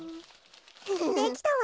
できたわ。